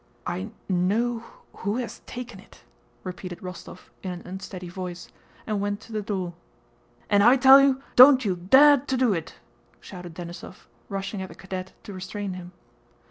"I know who has taken it," repeated Rostóv in an unsteady voice, and went to the door. "And I tell you, don't you dahe to do it!" shouted Denísov, rushing at the cadet to restrain him.